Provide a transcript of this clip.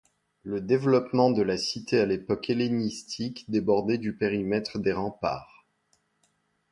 Le développement de la cité à l'époque hellénistique débordait du périmètre des remparts.